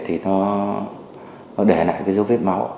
thì nó để lại cái dấu vết máu